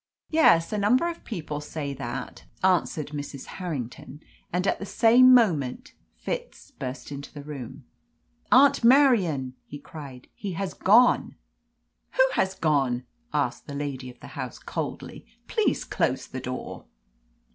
"Yes, a number of people say that," answered Mrs. Harrington, and at the same moment Fitz burst into the room. "Aunt Marian," he cried, "he has gone!" "Who has gone?" asked the lady of the house coldly. "Please close the door."